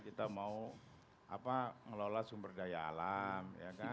kita mau ngelola sumber daya alam